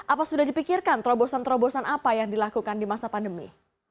apa sudah dipikirkan terobosan terobosan apa yang dilakukan di masa pandemi